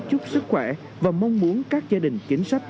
chúc sức khỏe và mong muốn các gia đình chính sách